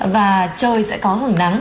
và trời sẽ có hứng nắng